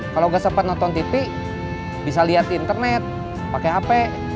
kalau nggak sempat nonton tv bisa lihat di internet pakai hp